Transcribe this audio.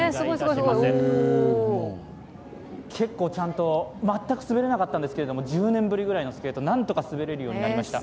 結構、ちゃんと、全く滑れなかったんですけど、１０年ぶりぐらいのスケートなんとか滑れるようになりました。